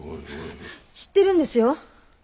知ってるんですよ。